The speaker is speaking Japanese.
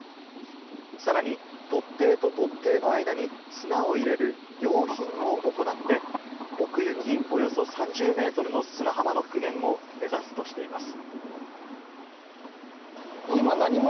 さらに突堤と突堤の間に砂を入れる養浜を行って奥行きおよそ３０メートルの砂浜の復元を目指すとしています。